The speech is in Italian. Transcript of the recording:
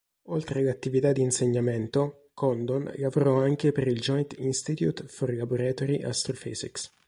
Oltre all'attività di insegnamento, Condon lavorò anche per il Joint Institute for Laboratory Astrophysics.